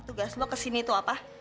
tugas lo kesini tuh apa